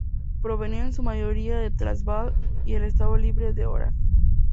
Provenían en su mayoría del Transvaal y el Estado Libre de Orange.